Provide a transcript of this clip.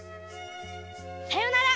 さよなら。